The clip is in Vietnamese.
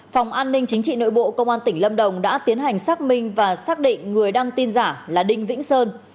phòng an ninh chính trị nội bộ công an tỉnh lâm đồng đã tiến hành xác minh và xác định người đăng tin giả là đinh vĩnh sơn